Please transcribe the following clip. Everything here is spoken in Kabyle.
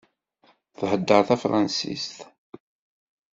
Thedder tafransist.